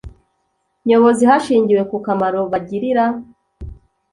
nyobozi hashingiwe ku kamaro bagirira